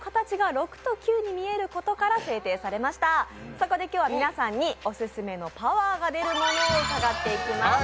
そこで今日は皆さんにオススメのパワーが出るものを伺っていきます。